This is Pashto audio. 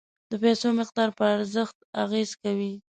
د پیسو مقدار په ارزښت اغیز کوي.